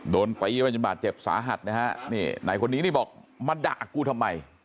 โดนตีจนบาดเจ็บสาหัสนายคนนี้บอกมาด่ากูทำไม